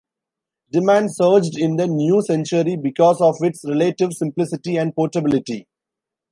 Demand surged in the new century because of its relative simplicity and portability.